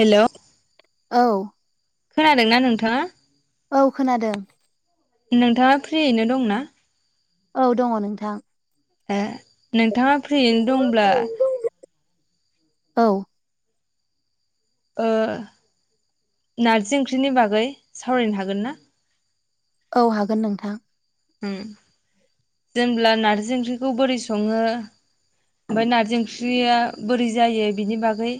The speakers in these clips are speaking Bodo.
हेलौ [inaudible] औ खोनादोंना नोंथाङा? औ खोनादों। नोंथाङा फ्रियैनो दंना। औ दङ नोंथां। ए नों। नोंथाङा फ्रिनो दंब्ला औ। ओ नारजि ओंख्रिनि बागै सावरायनो हागोन ना? औ हागोन नोंथां। उम जेनब्ला नारजि ओंख्रिखौ बोरै सङो ओमफ्राय नारजि ओंख्रिया बोरै जायो बिनि बागै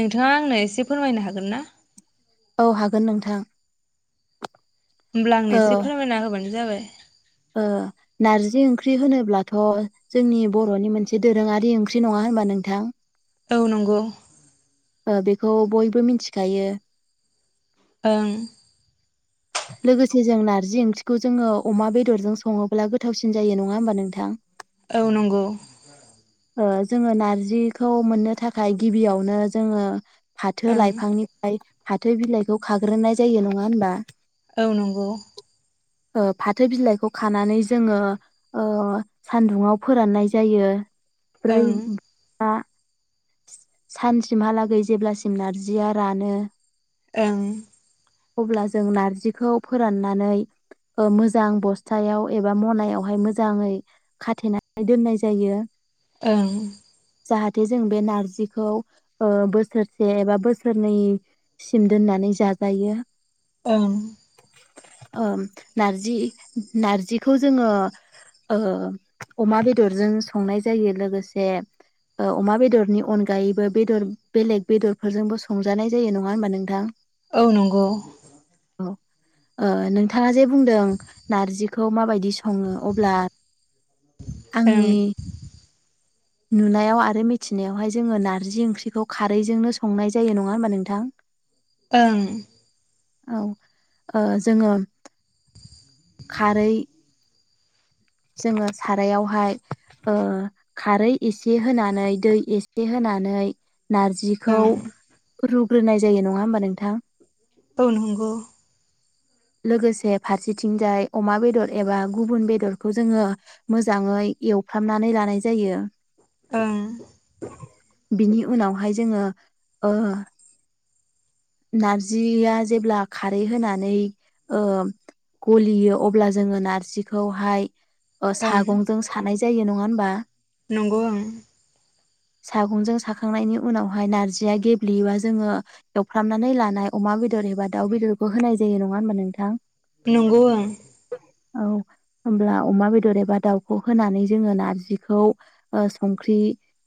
नोंथाङा आंनो एसे फोरमायनो हागोन ना? औ हागोन नोंथां‌। होमब्ला आंनो एसे फोरमायना होबानो जाबाय। ओ नारजि ओंख्रि होनोब्लाथ जोंनि बर'नि मोनसे दोरोङारि ओंख्रि नङा होनबा नोंथां? औ नंगौ। बेखौ बयबो मिथिखायो। ओं। लोगोसे जों नारजि ओंख्रिखौ जोङो अमा बेदरजों सङोब्ला गोथावसिन जायो नङा होमबा नोंथां? औ नंगौ। ओ जोङो नारजिखौ मोननो थाखाय गिबियावनो जोङो फाथो ओं लाइफांनिफ्राय फाथो बिलाइखौ खाग्रोनाय जायो नङा होनबा? औ नंगौ ओ फाथो बिलाइखौ खानानै जोङो ओ सानदुंङआव फोराननाय जायो ब्रै ओं [unintelligible] बा सानसिमहालागै जेब्लासिम नारजिया रानो ओं अब्ला जों नारजि जिखौ फोराननानै मोजां बस्थायाव एबा मनायावहाय मोजाङै खाथेनानै दोननाय जायो ओं जाहाथे जों बे नारजिखौ ओ बोसोरसे एबा बोसोरनैसिम दोननानै जाजायो ओं ओ नारजि नारजिखौ जोङो ओ अमा बेदरजों संनाय जायो लोगोसे ओ अमा बेदरनि अनगायैबो बेदर बेलेग बेदरफोरजोंबो संजानाय जायो नङा होमबा नोंथां औ नंगौ औ ओ नोंथाङा जेबो बुंदों नारजिखौ माबायदि सङो अब्ला ओं आंनि नुनायाव आरो मिथिनायावहाय जोङो नारजि ओंख्रिखौ खारैजोंनो संनाय जायो नङा होमबा नोंथां ओं औ ओ जोङो खारै जोङो सारायावहाय खारै एसे होनानै दै एसे होनानै नारजिखौ ओं रु रुग्रोनाय जायो नङा होमबा नोंथां? औ नंगो लोगोसे फारसेथिंजाय अमा बेदर एबा गुबुन बेदरखौ जोङो मोजाङै एवफ्रामनानै लानाय जायो ओं बिनि उनावहाय जोङो ओ नारजिया जेब्ला खारै होनानै ओ गलियो अब्ला जोङो नारजिखौहाय ओं सागंजों सानाय जायो न नङा होनबा? नंगौ ओं । सागंजों साखांनायनि उनावहाय नारजिया गेब्लेयोबा जोङो एव फ्रामनानै लानाय अमा बेदर एबा दाउ बेदरखौ होनाय जायो नङा होमबा नोंथां? नंगौ ओं औ होमब्ला अमा बेदर एबा दाउखौ होनानै जोङो नारजिखौ ओ संख्रि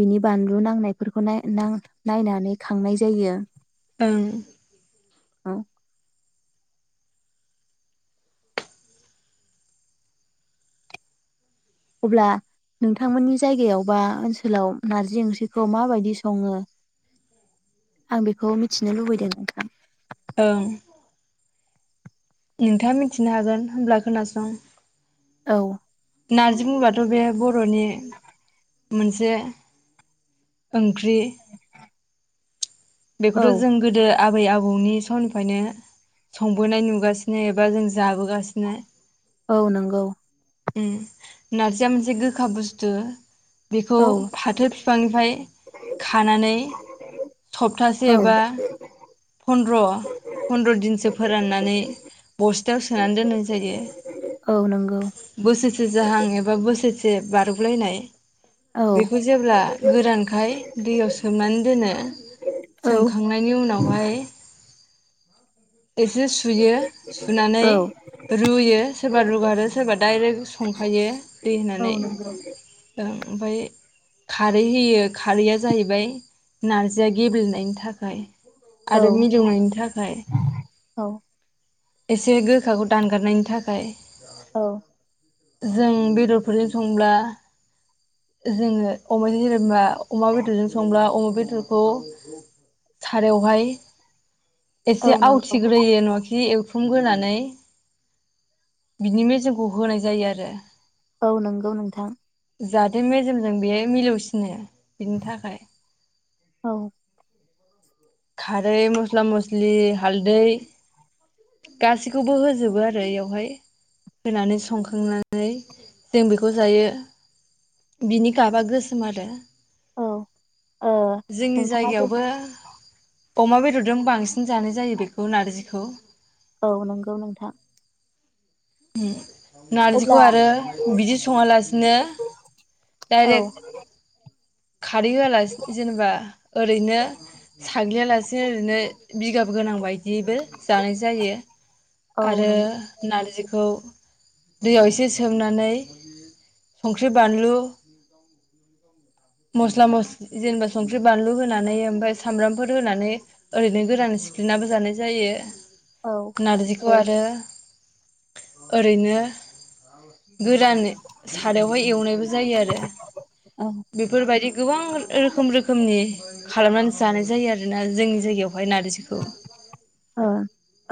बिनि बानलु नांनायफोरखौ नाय नां नायनानै खांनाय जायो। ओं औ अब्ला नोंथांमोननि जायगायाव बा ओनसोलाव नारजि ओंख्रिखौ माबायदि सङो आं बेखौ मिथिनो लुबैदों नोंथां ओं नोंथाङा मिथिनो हागोन होनब्ला खोनासं औ नारजि बुंबाथ' बे बर'नि मोनसे ओं ख्रि औ बेखौथ' जों गोदो आबै आबौनि समनिफ्रायनो संबोनाय नुगासिनो एबा जों जाबोगासिनो। औ नोंगौ। उम नारजिया मोनसे गोखा बुस्थु। बेखौ औ फाथो बिफांनिफ्राय खानानै सप्तासे औ एबा फन्द्र फन्द्र दिनसो फोराननानै बस्थायाव सोनानै दोननाय जायो औ नंगौ बोसोरसे जाहां एबा बोसोरसे से बारगलायनाय औ बेखौ जेब्ला गोरानखाय दैयाव सोमनानै दोनो। औ सोमखांनायनि उनावहाय एसे सुयो सुनानै औ रुयो सोरबा रुगारो सोरबा डाइरेक्ट संखायो दै औ होननानै नंगौ ओं। ओमफ्राय खारै होयो खारैया जाहैबाय नारजिया गेब्लेनायनि थाखाय औ आरो मिलौनायनि थाखाय। औ एसे गोखाखौ दानगारनायनि थाखाय। औ। जों बेदरफोरजों संब्ला जोङो अमाजों जेनेबा अमा बेदरजों संब्ला अमा बेदरखौ सारायावहाय एसे औ नंगौ आवथिग्रोयो नाखि एव हमग्रोनानै बिनि मेजेमखौ होनाय जायो आरो। औ नोंगौ नोंथां। जाहाथे मेजेमजों बेयो मिलौसिनो। बिनि थाखाय। औ खारै मस्ला मस्लि हालदै गासैखौबो होजोबो आरो इयावहाय होनानै संखांनानै जों बेखौ जायो बिनि गाबा गोसोम आरो। औ ओ जोंनि नोंथाङा जे जायगायावबो अमा बेदरजों बांसिन जानाय जायो बेखौ नारजिखौ। औ नंगौ नोंथां। उम नारजिखौ आरो बिदि सङालासिनो औ डाइरेक्ट खारै होआलास जेनेबा ओरैनो साग्लियालासे ओरैनो बिगाब गोनांबाय दिबो जानाय जायो औ आरो नंगौ नारजिखो औ दैयाव एसे सोमनानै संख्रि बानलु मस्ला मस्लि जेनेबा संख्रि बानलु होनानै ओमफाय सामब्रामफोर होनानै ओरैनो गोरान सिफ्लेनानैबो जानाय जायो। औ नारजिखो खौ आरो ओरैनो गोरान सारायावहाय एवनायबो जायो ओ आरो। बायदि गोबां रोखोम रोखोमनि खालामनानै जानाय जायो आरोना जोंनि जायगायाव ओ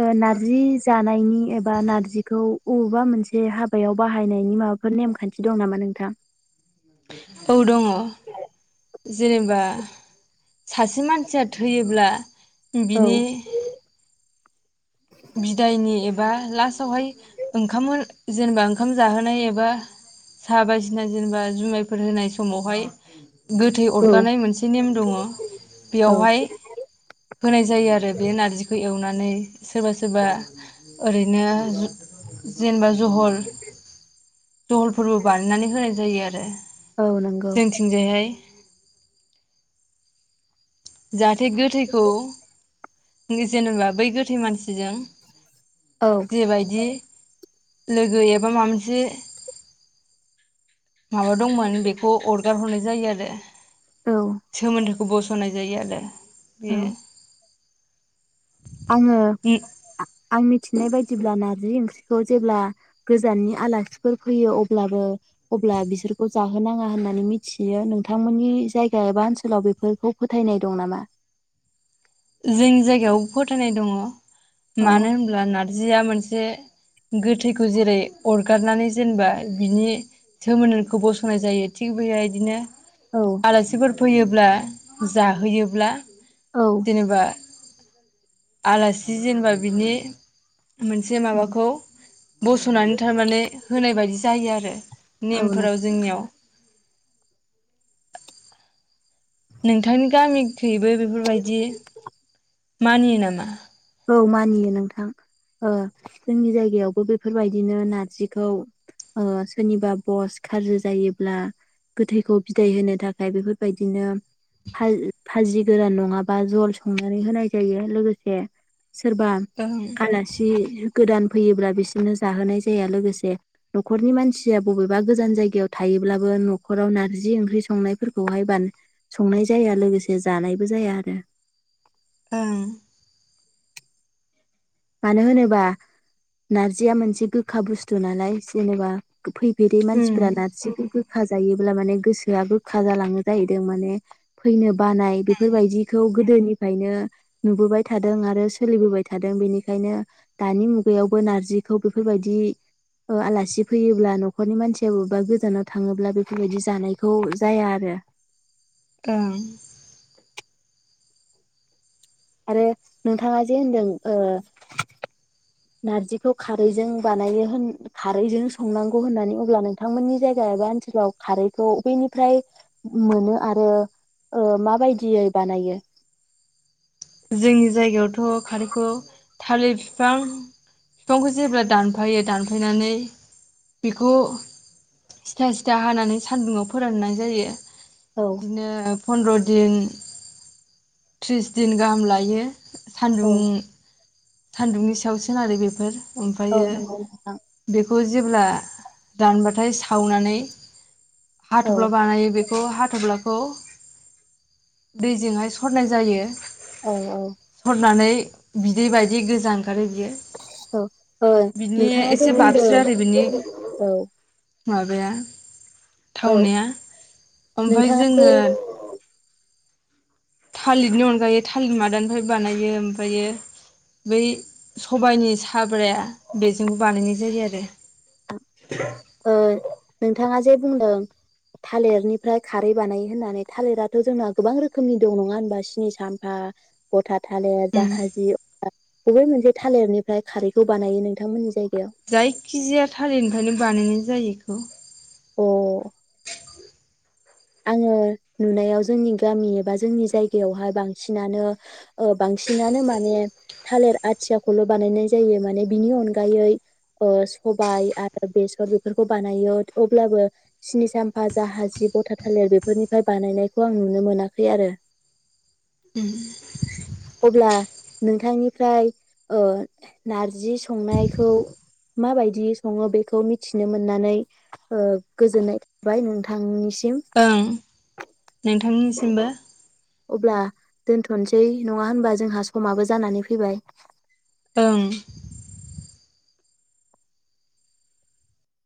ओ नारजि जानायनि एबा नारजिखौ अबेबा मोनसे हाबायाव बाहायनायनि माबाफोर नेमखान्थि दं नामा नोंथां? औ दङ । जेनेबा सासे मानसिया थैयोब्ला औ बिनि बिदायनि एबा लास्टआवहाय ओंखाम जेनेबा ओंखाम जाहोनाय एबा साहा बायदिसिना जेनेबा जुमायफोर होनाय समावहाय गोथै औ अरगारनाय मोनसे नेम दङ बेयावहाय होनाय जायो आरो बे नारजिखौ एवनानै सोरबा सोरबा ओरैनो जेनेबा जहल दहलफोरबो बानायनानै होनाय जायो आरो औ । नंगौ जोंथिंजायहाय जा थे गोथैखौ बि जेनेबा बै गोथै मानसि जों औ जेबायदि लोगो एबा माबा मोनसे माबा दंमोन बेखौ अरगार हरनाय जायो आरो । औ सोमोन्दो बसनाय जायो आरो बेयो । आङो आं मिथिनाय बायदिब्ला ना रजि ओंख्रिखौ जेब्ला गोजाननि आलासिफोर फैयो अब्लाबो अब्ला बिसोरखौ जाहोनाङा, होननानै मिथियो नोंथांमोननि जायगा एबा ओनसोलाव बेफोरखौ फोथायनाय दं नामा? जोंनि जायगायाव फोथायनाय दङ । अ मानो होनब्ला ना नारजिया मोनसे गोथैखौ जेरै अरगारनानै जेनेबा बिनि सोमोनदोखौ बसनाय जायो थिग बेबायबायदिनो औ आलासिफोर फैयोब्ला जाहोयोब्ला औ जेनेबा आलासि जेनेबा बिनि मोनसे माबाखौ बसनानै थारमाने होनाय बायदि जायो आरो औ नेमफोराव जोंनियाव । नोंथांनि गामिखैबो बेफोरबायदि मानियो नामा? औ मानियो नोंथां ओ जोंनि जायगायावबो बेफोरबायदिनो नारजिखौ ओ सोरनिबा भस खाज्रि जायोब्ला गोथैखौ बिदाय होनो थाखाय बेफोरबायदिनो फाज फाजि गोरान नङाबा जल संनानै होनाय जायो लोगोसे सोरबा ओं आलासि गोदान फैयोब्ला बिसोरनो जाहोनाय जाया लोगोसे नखरनि मानसिया बबेबा गोजान जायगायाव थायोब्लाबो नखराव नारजि ओंख्रि संनायफोरखौहाय बा संनाय जाया लोगोसे जानायबो जाया आरो । ओं मानो होनोबा नारजिया मोनसे गोखा बुस्थु नालाय जेनेबा फैफेरै उम मानसिफोरा नारजि [unintelligible] गोखा जायोब्ला माने गोसोआ गोखा जालाङो जाहैदों माने फैनो बानाय बेफोरबायदिखौ गोदोनिफ्रायनो नुबोबाय थादों आरो सोलिबोबाय थादों बेनिख ओंखायनो दानि मुगायावबो नारजिखौ बेफोरबायदि ओ आलासि फैयोब्ला नखरनि मानसि बबेबा गोजानाव थाङोब्ला बेफोरबायदि जानायखौ जाया आरो ओं आरो नोंथाङा जे होनदों ओ नारजिखौ खारैजों बानायो होन खारैजों संनांगौ होननानै अब्ला नोंथांमोननि जायगा एबा ओनसोलाव खारैखौ बबेनिफ्राय मोनो आरो ओ माबायदियै बानायो? जोंनि जायगायावथ खारैखौ थालिर बिफां बिफांखौ जेब्ला दानफायो दानफायनानै बेखौ सिथा सिथा हानानै सानदुंङाव फोराननाय जायो । औ बिदिनो फन्द्र दिन थ्रिस दिन गाहाम लायो । औ सान्दुं सान्दुंनि सायावसो आरो बेेफोर औ ओमफायो नंगौ नोंथां। बेफ खौ जेब्ला दानबाथाय सावनानै औ हाथफ्ला बानायो बेखौ हा थफ्लाखौ दैजोंहाय सरनाय जायो। औ औ सरनानै बिदै बाय दि गोजां ओंखारो बियो औ ओ बिनि नोंथाङा जे इसे बुंदों बाबस्रो आरो बिनि औ माबाया। औ थावनाया ओमफ्राय नोंथाङा जे जोङो। थालिरनि अनगायै थालिर मादानिफ्राय बानायो ओमफ्रायो बै सबाइनि साब्राया बेजोंबो बानायनाय जायो आरो ओ नोंथाङा जे बुंदों थालिरनिफ्राय खारै बानायो होननानै थालिराथ जोंना गोबां रोखोमनि दं नङा होनबा सिनि सामफा भता थाले उम जाहादि बबे मोनसे थालेरनिफ्राय खारैखौ बानायो नोंथांमोननि जाय जायखिजाया थालिरनिफ्रायनो बानायनाय जायोखौ। अ औ। आङो नुनायाव जोंनि गामि एबा जोंनि जायगायावहाय बांसिनानो ओ बांसिनानो माने थालिर आथियाखौल बानायनाय जायो माने बिनि अनगायै सबाय आरो बेसर बेफोरखौ बानायो अब्लाबो सिनि साम्फा जाहा जिब। भथा थालिर बेफोरनिफ्राय बानायनायखौ आं नुनो मोनाखै आरो उम अब्ला नोंथांनिफ्राय ओ नारजि संनायखौ माबायदि सङो बेखौ मिथिनो मोननानै ओ गोजोननाय थाबाय नोंथांनि ओं नोंथांनिसिमबो। दोनथ नोसै नङा होनबा जोंहा समाबो जानानै फैबाय। ओं